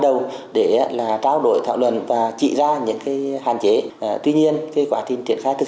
đầu để là trao đổi thảo luận và trị ra những cái hạn chế tuy nhiên cái quá trình triển khai thực